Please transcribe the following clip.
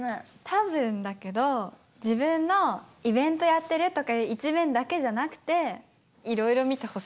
多分だけど自分のイベントやっているとかいう一面だけじゃなくていろいろ見てほしいんでしょ？